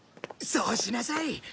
そうしなさい。